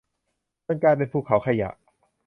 จนกลายเป็นภูเขาขยะ